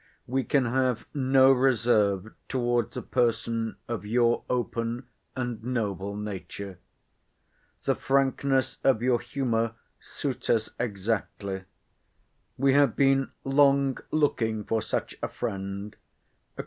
We can have no reserve towards a person of your open and noble nature. The frankness of your humour suits us exactly. We have been long looking for such a friend.